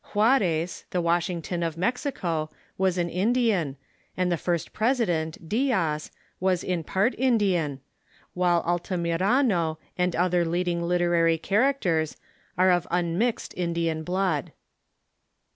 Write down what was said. Juarez, the Wash ington of Mexico, Avas an Indian, and the first president, Diaz, is in part Indian, while Altamirano and other leading literary characters are of unmixed Indian blood.